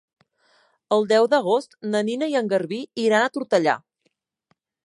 El deu d'agost na Nina i en Garbí iran a Tortellà.